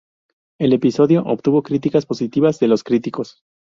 El episodio obtuvo críticas positivas de los críticos.